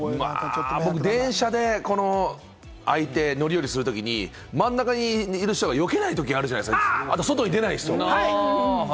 電車が開いて、乗り降りするときに真ん中にいる人が避けないときあるじゃないですか、あと外に出ない人。